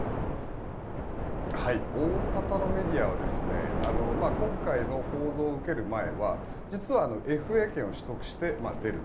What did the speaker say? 大方のメディアは今回の報道を受ける前はＦＡ権を取得して出る。